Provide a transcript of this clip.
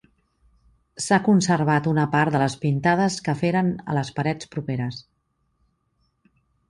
S'ha conservat una part de les pintades que feren a les parets properes.